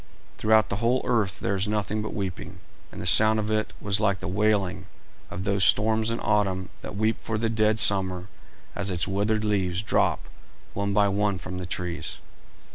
Throughout the whole earth there was nothing but weeping, and the sound of it was like the wailing of those storms in autumn that weep for the dead summer as its withered leaves drop one by one from the trees.